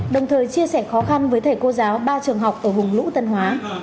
đồng thời chia sẻ khó khăn với thầy cô giáo ba trường học ở vùng lũ tân hóa